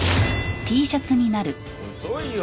遅いよ。